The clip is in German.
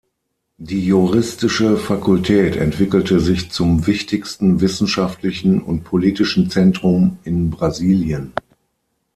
Die juristische Fakultät entwickelte sich zum wichtigsten wissenschaftlichen und politischen Zentrum in Brasilien.